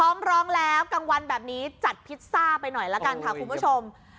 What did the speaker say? ฟ้องร้องแล้วกลางวันแบบนี้จัดพิซซ่าไปหน่อยละกันค่ะคุณผู้ชม